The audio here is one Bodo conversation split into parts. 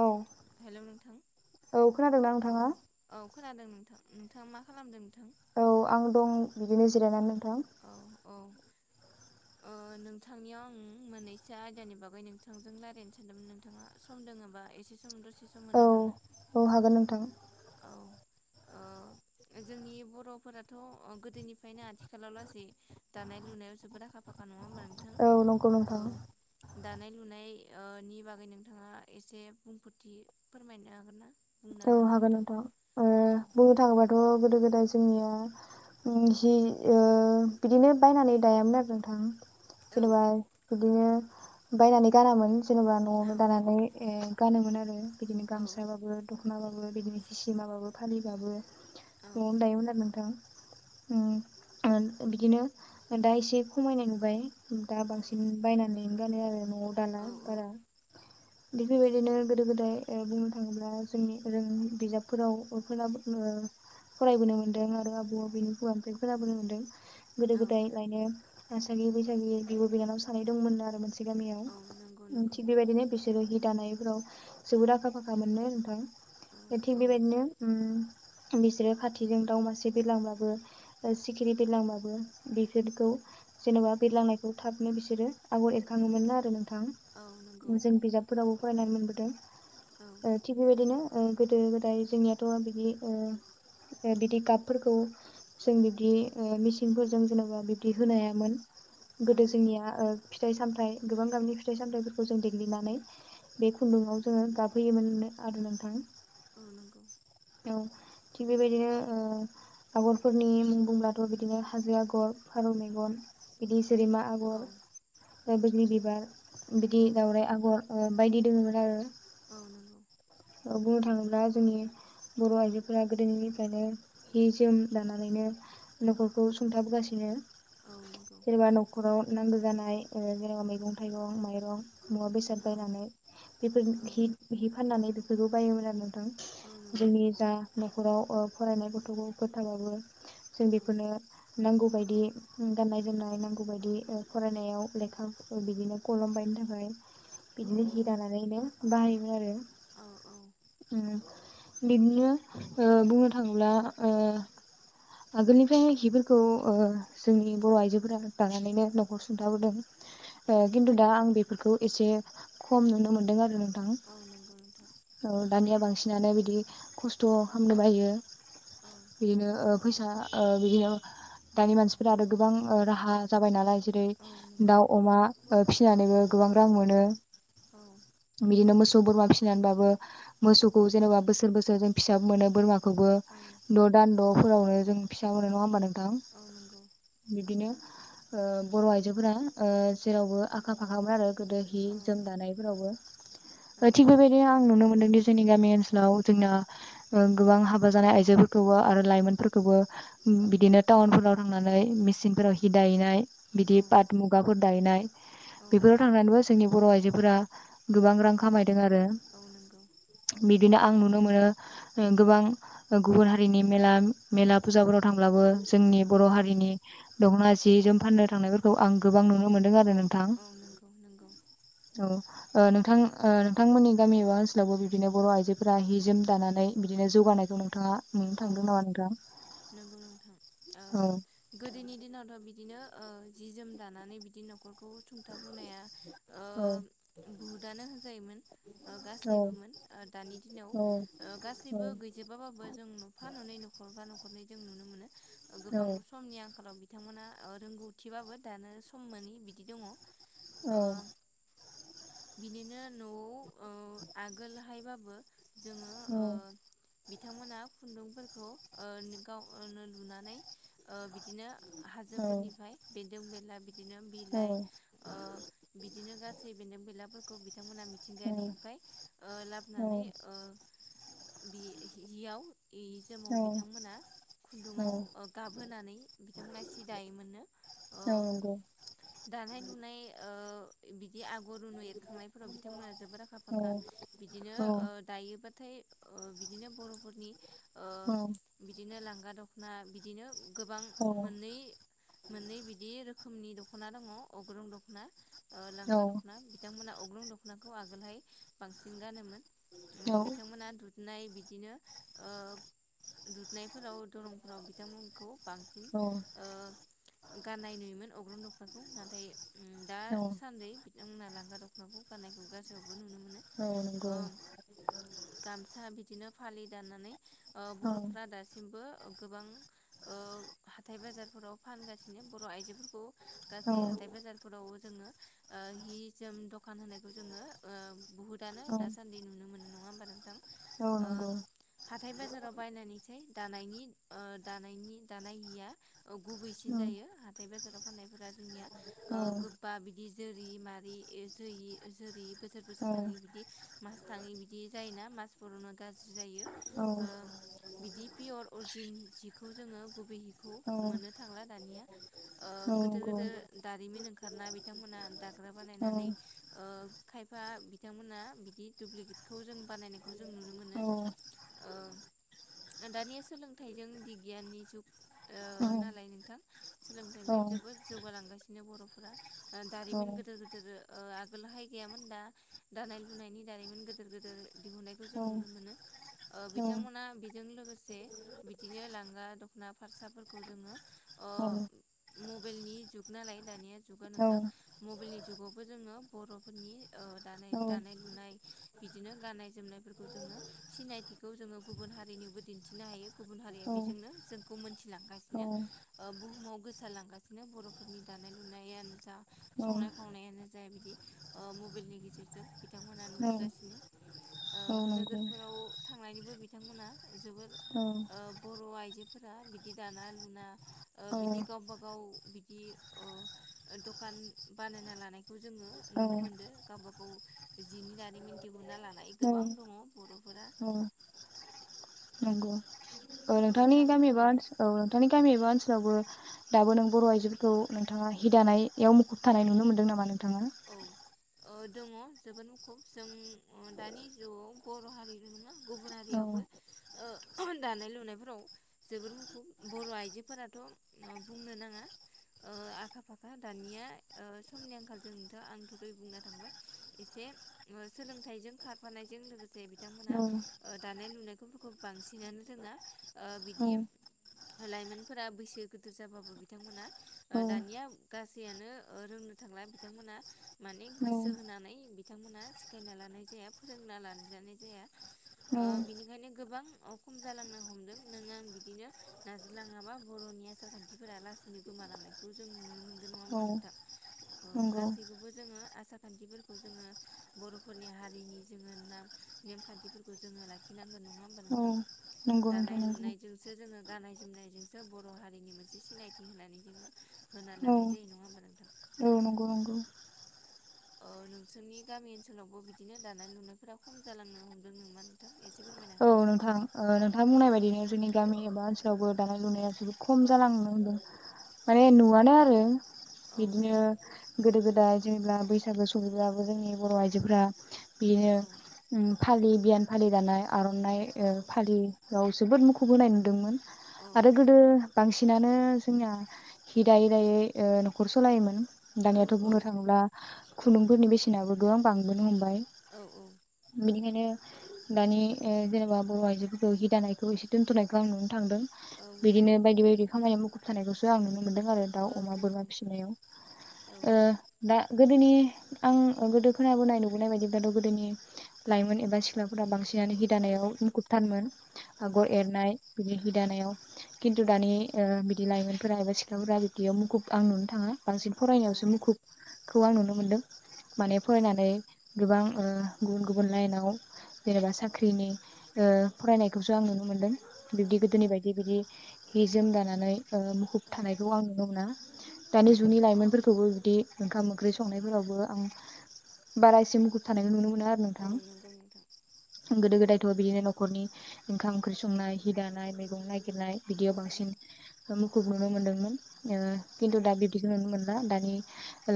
औ हेलौ नोंथां [inaudible] औ खोनादोंना औ नोंथाङा औ खोनादों नोंथां नोंथाङा मा खालामदों नोंथां औ आं दं बिदिनो जिरायनानै द औ दा औ ओ नोंथांनियाव आं मोननैसो आयदानि बागै नोंथांजों रायजलायनो सानदोंमोन नोंथांङा सम लोङोब्ला एसे समाव दसे सम होनो औ हागोन ना औ हागोन नोंथां औ ओ जोंनि बरफोराथ गोदोनिफ्रायनो आथिखालाव लासै दानाय लुनायाव जोबोद आखा फाखा नंङा होनबा औ नंगौ नोंथां दानाय लुनाय ओ नि बागै नोंथाङा एसे बुंफोरथि फोरमायनो हागोन ना बुंनो औ ना हागोन नोंथां नोथां। ओ औ बुंनो थाङोबाथ' गोदो गोदाय जोंनिया जि ओ बिदिनो बायनानै दायामोन आरो नोंथां। औ जेनेबा बिदिनो बायनानै गानामोन जेनेबा औ न'आवनो दानानै गानोमोन आरो बिदिनो औ गामसाबाबो। माबो बिनो गिसि माबो फालिबाबो न'आवनो दायोमोन आरो नोंथां। बिदिनो दा एसे खमायनाय नुबाय दा औ औ बांसिन बायनानैनो गानाय आरो औ मदाना बारा बेफोरबायदिनो गोदो गोदाय बुंनो थाङोब्ला जोंनि रों बिजाबफोराव ओ फरायबोनो मोन्दों आरो आबौ आबैनि हौवानिफ्राय खोनाबोनो मोन्दों। गोदो औ गोदाय लायनो आसागि बैसागि बिब' बिनानाव सानै दंमोनो आरो मोनसे औ नंगौ गामियाव नंगौ थिग बेबायदिनो बिसोरो दानायफ्राव जोबोद आखा फाखा मोनो नोंथां। औ थिग औ बेबायदिनो बिसोरो खाथिजों दाउमासे बिरलांबाबो सिखिरि बिरलांबाबो बेफोरखौ जेन'बा बेरलांनायखौ थाबनो बिसोरो आगर एरखाङोमोननो आरो नों औ नंगौ जों बिजाबफोरावबो नाय मोनबोदों औ ओ थिख बेबायदिनो गोदो गोदाय जोंनियाथ' बिदि बिदि गाबफोरखौ जों बिब्दि मेचंफोरजों जेन'बा बिब्दि होनो हायामोन। औ गोदो जोंनिया फिथाइ सामथायाइ गोबां गामिनि फिथाइ सामथायाइफोरखौ जों देग्लिनानै बे खुन्दुाव जोङो गाबहोयोमोननो आरो नोंथां। औ नंगौ। औ थिग बेबायदिनो आगरफोरनि मुं बुंब्लाथ' बिदिनो हाजो आगर फारौ मेगन बिदि सिरिमा औ आगर ओ बैग्रि बिबार औ बिदि दावउराइ आगर ओ बायदि दोङोमोन आरो। औ नोंगौ। ओ बुंनो थाङोब्ला जोंनि बर' आइजोफोरा गोदोनिफ्रायनो हि जोम दानानैनो न'खरखौ सुंथाबोगासिनो औ नंगौ जेनेबा न'खराव नांगौ जानाय जेनेबा मैगं थाइगं माइरं मुवा बेसाद औ बायनानै बेफोर औ हि हि फाननानै बे बेबो बायोमोन आरो नोंथां। औ नंगौ जोंनि जा न'खराव फरायनाय गथ'खौ फोथाराबो जों औ बेफोरनो नांगौबायायदि गाननाय जोमनाय ओ नांगौ बायदि फरायनायाव लेखा बिदिनो कलम बायनो थाखाय बिदिनो हि दानानैनो बाहायबो आरो। औ औ उम। बिदिनो ओ बुंनो थाङोब्ला आगोलनिफ्राय हिफोरखौ जोंनि बर' आइजोफोरा दानानैनो न'खर सुंथाबोदों। ओ खिन्थु दा आं बे बेफोरखौ एसे खम नुनो मोन्दों आरो। दां औ नंगौ नोंथां औ दानिया बांसि नानो बिदि खस्थ' खालामनो बायो। औ बिनो ओ फैसा ओ बिदिनो दानि मानसिफोरा आरो गोबां ओ राहा जाबाय नालाय जेरै औ नंगौ दाउ अमा ओ फिसिनानैबो गोबां रां मोनो औ बिदिनो मोस [unintelligible] फिसिनानैबाबो मोसौखौ जेनेबा बोसोर बोसोर जों फिसाबो मोनो बोरमाखौबो औ द' दान द'फोरावनो जों फिसा मोनो नङा होनबानों - थां औ नंगौ बिदिनो ओ बर' आइजोफोरा ओ जेरावबो आखा फाखामोन आरो गोदो हि औ जोम दानायफोरावबो औ थिग बेबायदिनो आं नुनो मोनदोंदि जोंनि गामि ओनसोलाव जोंना ओ गोबां हाबा जानाय आइजोफोरखौबो आरो लाइमोनफोरखौबो बिदिनो टाउनफोराव थांनानै मेसिनफोराव हि दाहैनाय बिदि पाट मुगाफोर दाहैयनाय औ बेफोराव थांनानैबो जोंनि बर' आइजोफोरा गोबां रां खामाय दोंआरो नंगौ बिदिनो आं नुनो मोनो गोबां गुबुन हारिनि मेला मेला फुजाफोराव थांब्लाबो जोंनि बर' औ हारिनि दख'ना जि जोम फाननो थांनायफोरखौ आं गोबां नुनो मोन्दों आरो नों थां औ नंगौ नंगौ औ ओ नोंथां ओ नोंथांमोननि गामि एबा ओनसोलावबो बिदिनो बर' आइजोफोरा हि जोम दानानै बिदिनो जौगानायखौ नोंथाङा नुनो औ थांदों नामा नोंथां नंगौ नोंथां औ ओ गोदोनि दिनावथ' बि बिदिनो ओ जि जोम दानानै बिदि न'खरखौ सुंथा बोनाया ओ औ बुहुदआनो होनजायोमोन ओ औ गासैबोमोन ओ दानि दिनाव औ ओ औ गासैबो गैजोबा बाबो जों नफा ननै न'खर नफा नखरनै जों नु मोनो ओ औ गोबां समनि आंखालाव बिथांमोना ओ रोंगौथिबाबो दानो सम मोनोनि बिदि दङ औ बिदिनो न'आव ओ आगोलहायबाबो जों औ बिथांमोना खुन्दुंफोरखौ ओ गावनो लुनानै ओ बिदिनो औ हाजोफोरनिफ्राय बे नदों बेनला बे बिदिनो बिलाइ ओ बिदिनो गास बि बेन्दों बेनला फोरखौ बि बिथांमोनहा मिथिंगायारिनिफ्राय ओ औ लाबोनानै ओ बे हिआव हि जोमाव बिथांमोना खुन्दुाव गाबहोनानै बिथांमोना सि दायोमोनो ओ औ नंगौ दानाय लुनाय ओ बे आगर रुनु एरखांनायफोराव बिथांमोनहा जोबोद आखा औ फाखा बिदिनो औ ओ दायोबा नाथाय ओ बिदिनो बर'फोरनि ओ औ बिदिनो लां गा दख'ना बिदिनो गोबां औ मोननै मोननै बिदि रोखोमनि दख'ना दङ अग्रं दख'ना, ओ लांगा औ दख'ना बिथांमोना अग्रं दख'नाखौ आगोलहाय बांसिन गानोमोन। औ उम बिथांमोना दुद नाय बिदिनो ओ दुुदनायफोराव दरंफोराव बिथांमोनखौ बांसिन औ ओ गाननाय नुयोमोन अग्रं दख'नाखौ नाथाय उम दा औ सान्दै बुंना लांगा दख'नाखौ गाननायखौ गासोब औ नंगौ। गामसा बिदिनो फालि दानानै ओ औ बर'फोरा दासिमबो गोबां ओ हाथाय बाजारफोराव फानगासिनो। बर' आइजोफोरखौ औ गासै हाथाय बाजारफोराव जोङो ओ हि-जोम दखान होनायखौ जोङो ओ बुहुदआनो औ दासान्दि नुनो मोनो, नङा होमबा? नोंथां? औ नंगौ हाथाय-बाजाराव बायनानैसाय दानायनि ओ दानायनि दानाय हिया ओ गुबैसिन औ जायो हाथाय-बाजाराव खनायफोरा जोंनिया औ ओ गोबबा बि जोरि मारि इ जोयि ओ जोरि बोसोर औ बोसोर थाङै बिदि मास थाङै बिदि जायो ना मास बरना गा ज्रि जायो औ ओ बिदि पियर अर जिन जिखौ जोङो गुबै खौ औ नंगौ औ मोननो थांला दानिया ओ औ गोदोर गोदोर दारिमिन ओंखारना बिथांमोना दाग्रा बानायनानै ओ खायफा बिथांमोना बिदि दुब्लिकेटखौ जों बानायनायखौ जों नुनो मोनो ओ औ दानिया सोलोंथाइजों बिगियाननि जुग ओ नालाय नोंथां सोलोंथाइजों जोबोद जौगालांगासिनो बर फुरा औ दारिमिन नंगौ औ गोदोर गोदोर ओ आ लहाय गैयामोन दा दानाय लुनायनि दारिमिन गोदोर गोदोर दिहुननायखौ जों नुनो मोनो ओ बिथांमोना बेजों लोगोस से बिदिनो लांगा दखना फारसाफोरखौ जोङो ओ औ मबाइलनि जुग नालाय दानिया जुगा नोंथां मबाइलनि जुगावबो जोङो बर फोरनि औ दानाय दानाय लुनाय बिदिनो गाननाय जोमनायफोरखौ जोङो सिनायथिखौ जोङो गुबुन हारिनिबो दिन्थिनो हायो गुबुन हारिया बेजोंनो जोंखौ मोनथिलांगासिनो ओ बुहुमाव गोसारलांगासिनो बरफोरनि दानाय लुनायानो जा संनाय खावनायानो जा बिदि ओ मबाइलनि गेजेरजों बिथांमोना नुबोगासिनो नोंगौ थांनायनिबो बिथांमोना जोबोर ओ बर आइजोफोरा बिदि दाना लुना ओ बिदि गावबाागाव बिदि दखान बानायना लानायखौ जोङो नुनो मोनदों गावबा गाव जिनि दारिमिन दिहुनना लानाय गोबां दङ बर फोरा औ औ नोंथांनि गामिबाओ औ नोंथांनि गामिबा ओनसावबो दाबो नों बर आइजोफोरखौ नोंथाङा हिदानायाव मुखुब थानाय नुनो मोन्दों नामा नों थाङा औ ओ दङ जोबोद मुखुब जों दानि जुआव बर हारिल नङा गुबुन औ हारियावबो दानाय लुनायफोराव जोबोर मुखुब बर आइजोफोराथ बुंनो नाङा ओ आखा फाखा दानिया समनि आंखालजों आंथ दहय बुंना थांबाय एसे ओ सोलोंथाइजों खारफानायजों लोगोसे बिथांमोना ओ दानाय लुनाय खफोरखौ बांसिनानो रोङा बिदि लाइमोनफोरा बैसो गोदोर जाबाबो बिथांमोना औ दानिया गासैयानो रोंनो थांला बिथांमोना माने गोसो होनानै बिथांमोना सिखायना लानाय जाया फोरोंना लाजानाय जाया औ ओ बिनिखायनो गोबां खम जालांनो हमदों नों आं बिदिनो नाजलाङाबा बर'नि आसार खान्थिफोरा लासैनो गोमालांनायखौ जों नुनो मोनगोन नङा होमबा औ नोंथां? औ नंगौ गासैखौबो जोङो आसार खान्थिफोरखौ जोङो बरफोरनि हारिनि जोङो नाम नेमखान्थिफोरखौ जोङो लाखिनांगोन नङा होमबा औ नोंथां नंगौ दानाय नोंथां नंगौ लुनायजोंसो जोङो गाननाय जोमनायजोंसो बर' हारिनि मोनसे सिनायथि होनानै जोङो होना औ लानाय जायो नङा होमबा नोंथां? औ नंगौ नंगौ ओ नोंसोरनि गामि ओनसोलावबो बिदिनो दानाय लुनायफोरा खम जालांनो हमदों नोंमा नोंथां एसे फोरमायनो औ हागोन ना? ओ नोंथां नोंथां बुंनाय बायदिनो औ जोंनि गामि एबा ओनसोलावबो दानाय लुनाया औ औ औ न' [unintelligible] [unintelligible] जेब्ला बैसागो सफैब्लाबो जोंनि बर' आइजोफोरा बिनो औ उम फालि बियान फालि दानाय आरनाइ अ ओ फालि आव जोबोद मुखुब होनाय नुदोंमोन औ आरो गोदो बांसिनानो जोंनिया हि दायै दायै ओ न'खर सलायोमोन दानियाथ' बुंनो औ थाङोब्ला खुन्दुंफोरनि बेसेनाबो गोबां बांबोनो हमबाय औ औ बेनिखायनो दानि ओ जेनेबा बर' आइ जोफोरखौ हि दानायखौ एसे दोनथ'नायखौ आं नुन थांदों औ बेदिनो नंगौ बायदि बायदि खामाय मुखुब थानायखौसो आं नुनो मोनदों आरो दाउ औ अमा बोरमा नंगौ फिसिनायाव औ ओ दा गोदोनि आं गोदो खोनाबोनाय नुबोनाय बायदिब्लाथ' गोदोनि लाइमोन एबा सिख्लाफोरा बांसि नानो हि औ दानायाव मुखुब [unintelligible] औ आगर नंगौ एरनाय बिनि हि दानायाव खिन्थु औ दानि ओ बिद दि लाइमोनफोरा एबा सिख्लाफोरा बिदियाव मुखुब आं नुनो थाङा बांसिन औ फरायनायावसो मुखुब खौ आं नुनो मोनदों माने फरायनानै गोबां ओ गुबुन गुबुन लाइनाव जेनेबा साख्रिनि ओ फरायनायखौसो आं नुनो मोन्दों औ बिब्दि गोदोनि बायदि बिदि हि जोम दानानै ओ मुखुब औ थानायखौ आं नुनो मोना दानि जुनि लाइमोनफोरखौबो बिदि ओंखाम ओंख्रि संनायफोरावबो आं बारासिम मुखुब थानायखौ नुनो मो नो आरो नोंथां औ नंगौ नोंथां [unintelligible] गोदो गोदाय [unintelligible] खरनि ओंखाम ओंख्रि संनाय हि दानाय मैगं नायग गिरनाय औ बिदियाव औ बांसिन ओ मुख खुब नुनो मोनदोंमोन ओ औ खिन्थु दा बिदिखौ नुनो मोनला दानि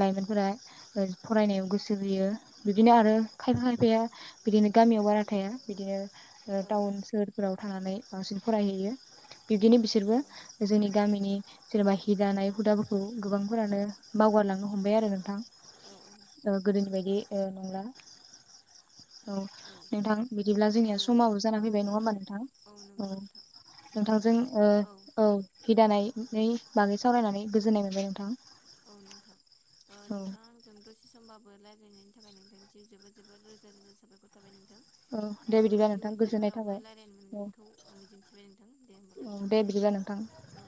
लाइमोनफोरा ओ फरायनायाव गोसो होयो बिदिनो आरो खायफा खायफाया बिदिनो गामियाव बारा थाया बिदिनो ओ औ टाउन सोहोरफ्राव थानानै बांसिन फरायहैयो बिब्दिनो बिसोरबो जोंनि गामिनि जेनेबा हि दानाय हुदाफोरखौ गोबांफोरानो बावगारलांनो हमबाय आरो नोंथां ओ गोदोनि बायद [unintelligible] औ नोंथां बिदिब्ला जों समाबो जाना फैबाय नङा होमबा नोंथां औ नंगौ ओं नोंथां नोंथांजों नोंथाङा ओ आंजों औ हि दानाय नै बागै सावरायनानै गोजोननाय मोनबाय नोंथां। औ नोंथां। ओ औ नोंथां आंजों दसे समबाब बो लायनायनि थाखाय नोंथांनिसिम जोबोद जोबोद रोजा रोजा साबायखर थाबाय नोंथां। औ दे थां ओ बिदिब्ला नोंथां इयुन गोजोननाय समफोरावबो थाबाय लायरायनो औ मोनगोनखौ मिजिंथिबाय नोंथां दे होमबालाय औ दे बिदिब्ला नोंथां औ।